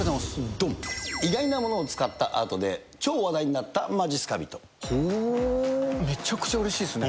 どん、意外なものを使ったアートで超話題になったまじっすかめちゃくちゃうれしいですね。